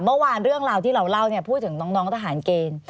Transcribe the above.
เมื่อวานเรื่องราวที่เราเล่าเนี่ยพูดถึงน้องทหารเกณฑ์